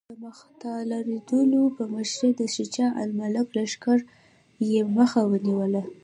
د مختارالدوله په مشرۍ د شجاع الملک لښکر یې مخه ونیوله.